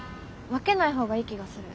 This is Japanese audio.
分けない方がいい気がする。